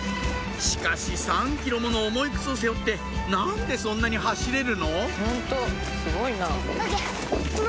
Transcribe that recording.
しかし３ｋｇもの重い靴を背負って何でそんなに走れるの？